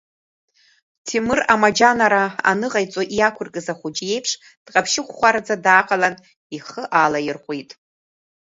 Ҭемыр амаџьанара аныҟаиҵо иақәыркыз ахәыҷы иеиԥш дҟаԥшьхәхәараӡа дааҟалан ихы аалаирҟәит.